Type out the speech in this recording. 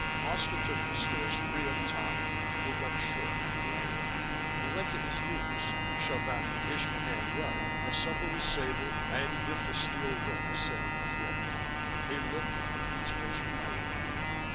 Foster took the stairs three at a time, pulled up short on the landing. He went to his knees, shoved back an Isfahan rug as supple as sable, and gripped a steel ring set in the floor. He looked at me, his face white.